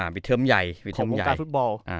ปิดเทิมใหญ่ของการฟุตบอล